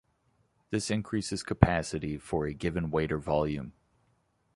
This increases capacity for a given weight or volume.